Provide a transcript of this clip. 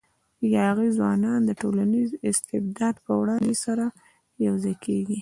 یاغي ځوانان د ټولنیز استبداد پر وړاندې سره یو ځای کېږي.